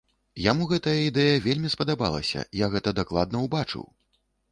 Яму гэтая ідэя вельмі спадабалася, я гэта дакладна ўбачыў!